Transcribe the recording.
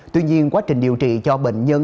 tuy nhiên quá trình điều trị cho bệnh nhân